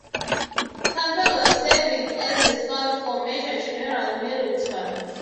Campbell was serving as a scout for Major General Middleton.